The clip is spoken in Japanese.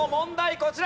こちら。